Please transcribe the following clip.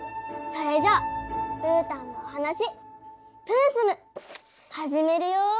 それじゃあブータンのおはなし「プンスム」はじめるよ！